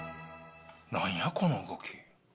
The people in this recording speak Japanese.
何やこの動き？